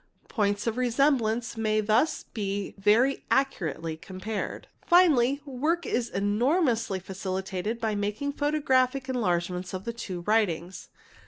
Points _ of resemblance may thus be very accurately compared. Finally work is enormously facilitated by making photographic en largements of the two writings.